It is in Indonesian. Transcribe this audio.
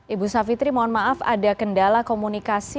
ibu savitri mohon maaf ada kendala komunikasi